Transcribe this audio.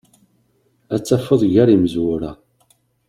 Ad tt-tafeḍ gar imezwura.